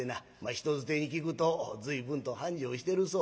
人づてに聞くと随分と繁盛してるそうな。